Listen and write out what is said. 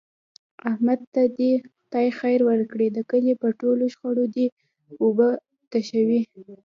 احمد ته دې خدای خیر ورکړي د کلي په ټولو شخړو دی اوبه تشوي.